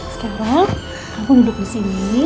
sekarang kamu duduk disini